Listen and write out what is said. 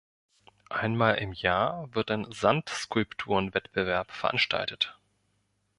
Einmal im Jahr wird ein Sandskulpturen-Wettbewerb veranstaltet.